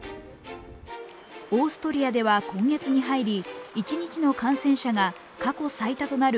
オーストリアでは今月に入り、１日の感染者が過去最多となる